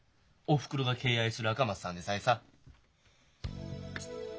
おふくろが敬愛する赤松さんでさえさ！